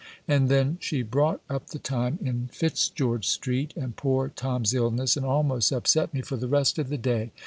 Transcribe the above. And then she brought up the time in Fitzgeorge Street, and poor Tom's illness, and almost upset me for the rest of the day.